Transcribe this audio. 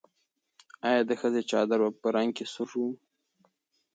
ایا د ښځې چادر په رنګ کې سور و؟